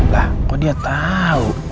lah kok dia tahu